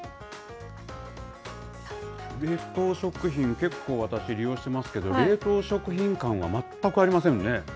冷凍食品、結構、私、利用しますけれども、冷凍食品感は全くありませんね。